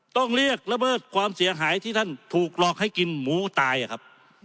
ต้องเรียกระเบิดความเสียหายที่ท่านถูกหลอกให้กินหมูตายอะครับ